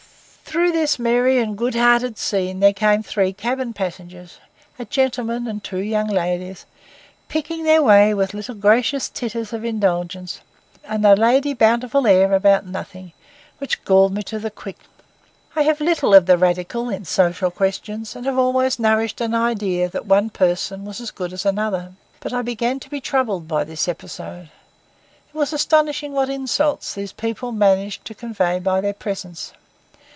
Through this merry and good hearted scene there came three cabin passengers, a gentleman and two young ladies, picking their way with little gracious titters of indulgence, and a Lady Bountiful air about nothing, which galled me to the quick. I have little of the radical in social questions, and have always nourished an idea that one person was as good as another. But I began to be troubled by this episode. It was astonishing what insults these people managed to convey by their presence.